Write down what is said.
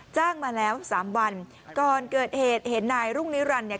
จ้างมาแล้วสามวันก่อนเกิดเหตุเห็นนายรุ่งนิรันดิ์เนี่ย